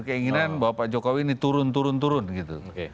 keinginan bahwa pak jokowi ini turun turun turun turun gitu